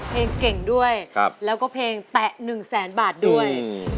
เพลงเก่งด้วยแล้วก็เพลงแตะ๑แสนบาทด้วย